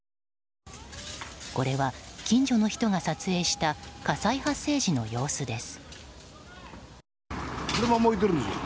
これは近所の人が撮影した火災発生時の様子です。